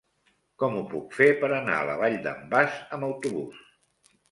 Com ho puc fer per anar a la Vall d'en Bas amb autobús?